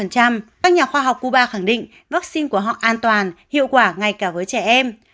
các nhà khoa học cuba khẳng định vaccine của họ an toàn hiệu quả ngay cả với trẻ em